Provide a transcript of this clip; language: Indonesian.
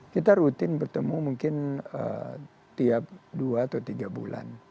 kita rutin bertemu mungkin tiap dua atau tiga bulan